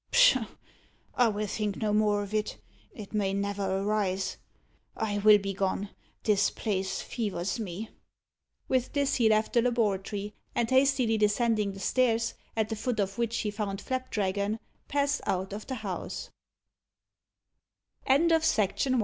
Pshaw! I will think no more of it. It may never arise. I will be gone. This place fevers me." With this, he left the laboratory, and hastily descending the stairs, at the foot of which he found Flapdragon, passed out of the house.